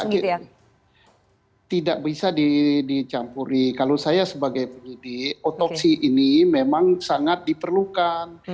tidak bisa dicampuri kalau saya sebagai penyidik otopsi ini memang sangat diperlukan